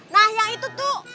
nah yang itu tuh